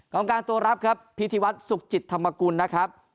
ของการตัวรับครับพิธีวัฒน์สุขจิตธรรมกุลนะครับ